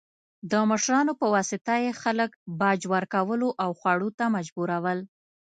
د مشرانو په واسطه یې خلک باج ورکولو او خوړو ته مجبورول.